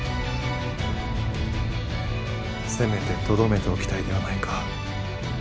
せめてとどめておきたいではないか。